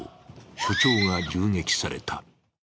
所長が銃撃された。